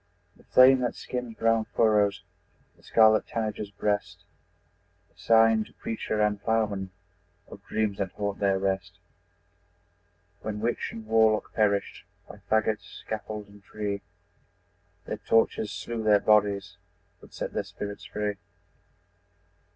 The flame that skims brown furrows The scarlet tanager's breast, Is sign to preacher and ploughman Of dreams that haunt their rest. When witch and warlock perished By fagot, scaffold and tree, Their tortures slew their bodies But set their spirits free!